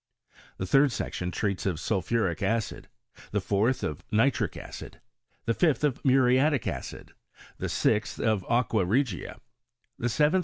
The third section treats of sulphuric acid; the fourth, of nitric acid ; the 6fth, of muriatic acid; the sixth, of aquaregia; theseventh.